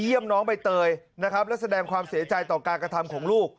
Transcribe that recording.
น้องใบเตยนะครับและแสดงความเสียใจต่อการกระทำของลูก